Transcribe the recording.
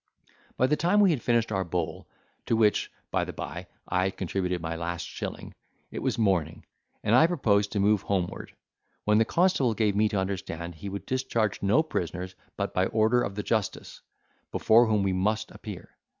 By the time we had finished our bowl—to which, by the bye, I had contributed my last shilling—it was morning, and I proposed to move homeward, when the constable gave me to understand, he could discharge no prisoners but by order of the justice, before whom we must appear.